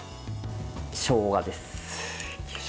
しょうがです。